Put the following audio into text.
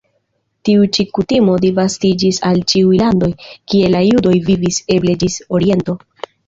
Tiu ĉi kutimo disvastiĝis al ĉiuj landoj, kie la judoj vivis, eble ĝis Oriento.